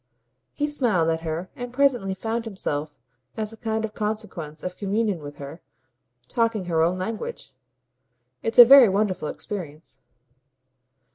He smiled at her and presently found himself, as a kind of consequence of communion with her, talking her own language. "It's a very wonderful experience."